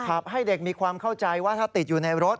ให้เด็กมีความเข้าใจว่าถ้าติดอยู่ในรถ